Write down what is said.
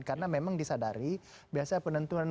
karena memang disadari biasa penentuan